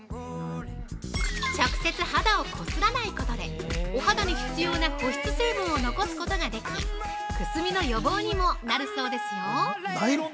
◆直接肌をこすらないことでお肌に必要な保湿成分を残すことができ、くすみの予防にもなるそうですよ。